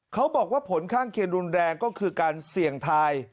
เขาบอกว่าผลข้างเคียงรุนแรงก็คือการเสี่ยงทาย